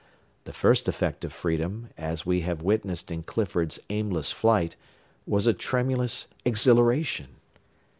The first effect of freedom, as we have witnessed in Clifford's aimless flight, was a tremulous exhilaration.